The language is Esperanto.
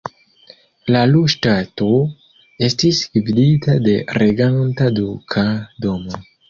La Lu-ŝtato estis gvidita de reganta duka domo.